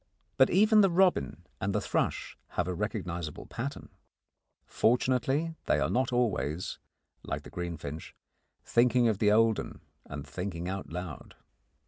But even the robin and the thrush have a recognisable pattern. Fortunately, they are not always, like the greenfinch, thinking of the old 'un and thinking out loud.